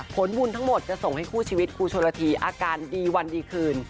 ผลบุญทั้งหมดจะส่งให้คู่ชีวิตครูชนละทีอาการดีวันดีคืน